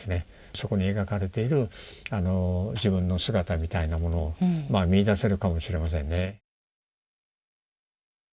そこに描かれている自分の姿みたいなものを見いだせるかもしれませんね。